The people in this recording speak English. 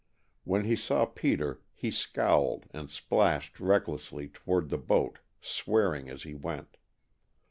When he saw Peter he scowled and splashed recklessly toward the boat, swearing as he went.